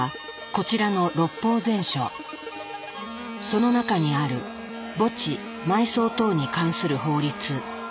その中にある「墓地埋葬等に関する法律」。